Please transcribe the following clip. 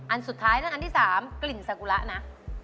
อันสุดท้ายเรื่องอันที่๓กลิ่นสากุระนะ